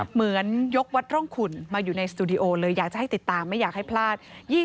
เหมือนยกวัดร่องขุนมาอยู่ในสตูดิโอเลยอยากจะให้ติดตามไม่อยากให้พลาด